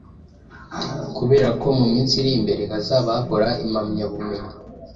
Kuberako mu minsi iri imbere hazaba hakora impamyabumenyi